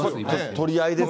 取り合いですよ。